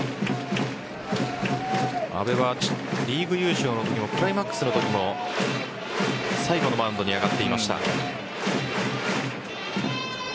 阿部はリーグ優勝のときのクライマックスのときも最後のマウンドに上がっていました。